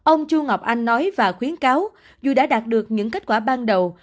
ông chu ngọc anh nói và khuyến cáo dù đã đạt được những kết quả ban đầu